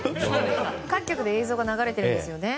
各局で映像が流れてるんですよね。